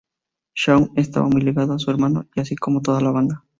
Shaun estaba muy ligado a su hermano, así como toda la banda.